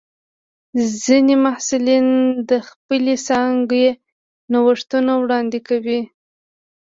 ځینې محصلین د خپلې څانګې نوښتونه وړاندې کوي.